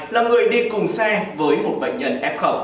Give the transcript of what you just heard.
là người đi cùng xe với một bệnh nhân f